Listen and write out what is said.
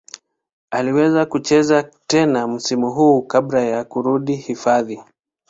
Aliweza kucheza tena msimu huo kabla ya kurudi hifadhi.